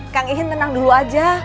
kang ihin tenang dulu aja